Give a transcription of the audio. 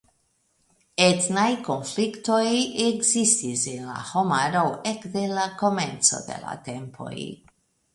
Etnaj konfliktoj ekzistis en la homaro ekde la komenco de la tempoj.